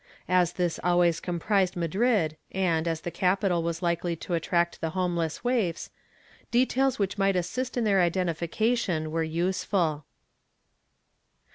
As this always comprised Madrid and, as the capital was likely to attract the homeless waifs, details which might assist in their identification were useful.